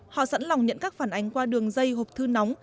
họ sẵn lòng nhận các phản ánh qua đường dây hộp thư nóng